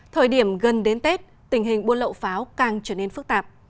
thời điểm gần đến tết tình hình buôn lậu pháo càng trở nên phức tạp